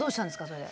それで。